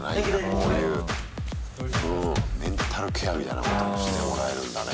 こういううんメンタルケアみたいなこともしてもらえるんだね。